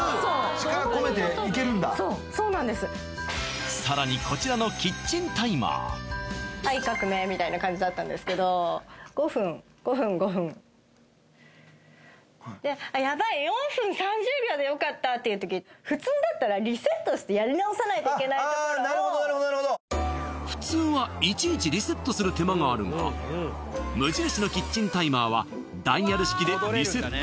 力込めていけるんださらにこちらのキッチンタイマーはい革命みたいな感じだったんですけど５分５分５分でやばい４分３０秒でよかったっていう時普通だったらリセットしてやり直さないといけないところをああなるほどなるほどなるほど普通はいちいちリセットする手間があるが無印のキッチンタイマーはダイヤル式でリセット